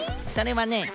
それはね